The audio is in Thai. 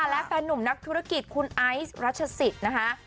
และแฟนหนุ่มนักธุรกิจคุณไอซ์รัชศิษย์นะคะ